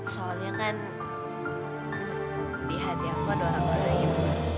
soalnya kan di hati aku ada orang orang